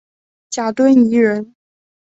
贾敦颐人。